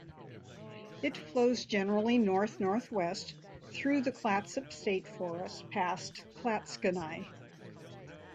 It flows generally north-northwest through the Clatsop State Forest, past Clatskanie.